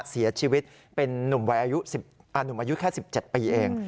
เสียชีวิตเป็นนุ่มอายุแค่๑๗ปีเอง